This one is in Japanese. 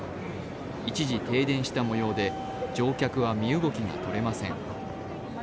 一時停電したもようで、乗客は身動きがとれません。